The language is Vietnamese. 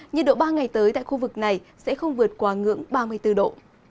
nhiệt độ ba ngày tới tại khu vực này sẽ không vượt qua ngưỡng ba mươi bốn độ